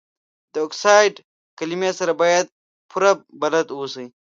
د اکسایډ کلمې سره باید پوره بلد اوسئ.